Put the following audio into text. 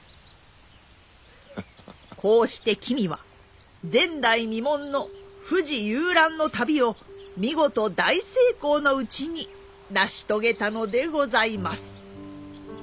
こうして君は前代未聞の富士遊覧の旅を見事大成功のうちに成し遂げたのでございます。